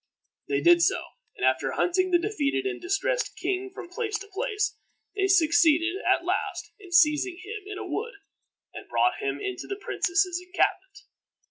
They did so; and after hunting the defeated and distressed king from place to place, they succeeded, at last, in seizing him in a wood, and brought him in to the princess's encampment.